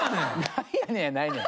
何やねんやないねん。